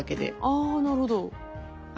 あなるほど。